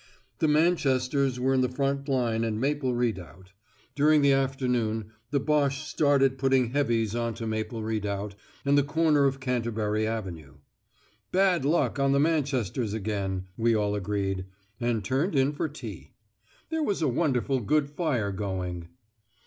The Manchesters were in the front line and Maple Redoubt. During the afternoon the Boche started putting heavies on to Maple Redoubt, and the corner of Canterbury Avenue. 'Bad luck on the Manchesters again,' we all agreed and turned in for tea. There was a wonderful good fire going.